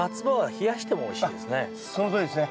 これはそのとおりですね。